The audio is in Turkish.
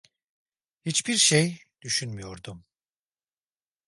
Hiçbir şey düşünmüyordum.